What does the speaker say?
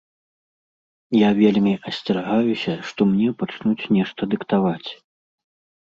Я вельмі асцерагаюся, што мне пачнуць нешта дыктаваць.